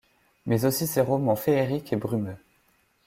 Mais aussi ses romans féériques et brumeux.